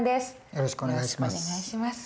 よろしくお願いします。